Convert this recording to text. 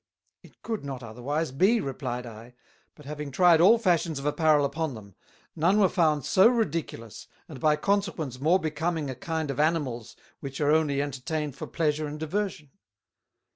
"It could not otherwise be," replied I, "but having tried all Fashions of Apparel upon them, none were found so Ridiculous, and by consequence more becoming a kind of Animals which are only entertained for Pleasure and Diversion."